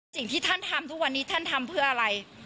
สิ่งที่ท่านทำทุกวันนี้ท่านทำเพื่ออะไร